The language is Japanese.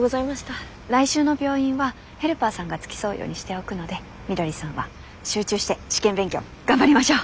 来週の病院はヘルパーさんが付き添うようにしておくので翠さんは集中して試験勉強頑張りましょう。